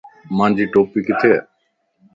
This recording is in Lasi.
مانجي ٽوپي ڪٿي؟